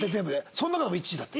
その中で１位だって。